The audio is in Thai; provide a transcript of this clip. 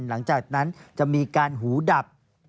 หลังจากนั้นจะมีการหูดับ